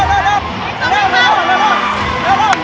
เร็วพี่ตรงเน็ตข้าว